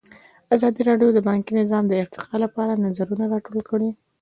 ازادي راډیو د بانکي نظام د ارتقا لپاره نظرونه راټول کړي.